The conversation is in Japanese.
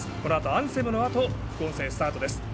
アンセムのあと副音声スタートです。